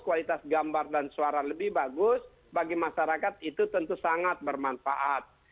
kualitas gambar dan suara lebih bagus bagi masyarakat itu tentu sangat bermanfaat